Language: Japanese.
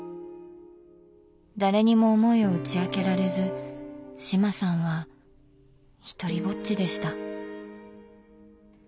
誰にも思いを打ち明けられず志麻さんはひとりぼっちでした。